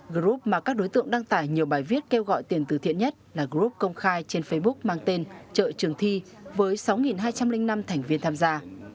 group mà các đối tượng đăng tải nhiều bài viết kêu gọi tiền từ thiện nhất là group công khai trên facebook mang tên trợ trường thi với sáu hai trăm linh năm thành viên tham gia